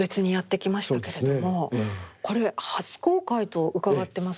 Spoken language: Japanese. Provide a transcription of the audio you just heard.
これ初公開と伺ってますが。